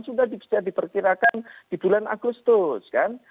sudah bisa diperkirakan di bulan agustus kan